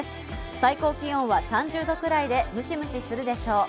最高気温は３０度くらいでむしむしするでしょう。